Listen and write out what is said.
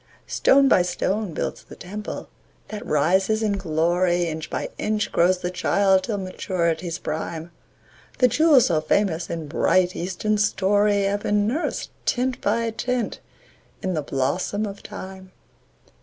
Stone by stone builds the temple that rises in glory, Inch by inch grows the child till maturity's prime; The jewels so famous in bright, Eastern story Have been nursed, tint by tint, in the blossom of Time.